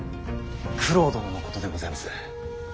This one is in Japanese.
九郎殿のことでございます。